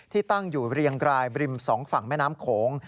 ตั้งอยู่เรียงรายบริมสองฝั่งแม่น้ำโขง